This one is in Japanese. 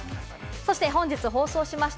そして本日放送しました